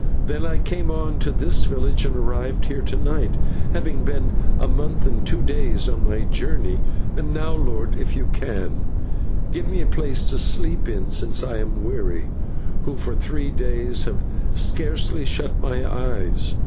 "Then I came on to this village, and arrived here to night, having been a month and two days on my journey. And now, lord, if you can, give me a place to sleep in, since I am weary, who for three days have scarcely shut my eyes.